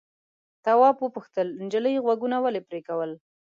تواب وپوښتل نجلۍ غوږونه ولې پرې کول.